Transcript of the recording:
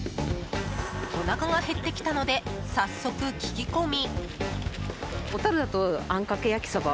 おなかが減ってきたので早速、聞き込み。